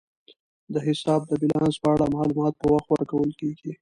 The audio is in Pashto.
د حساب د بیلانس په اړه معلومات په وخت ورکول کیږي.